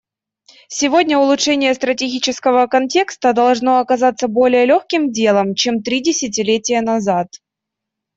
Сегодня улучшение стратегического контекста должно оказаться более легким делом, чем три десятилетия назад.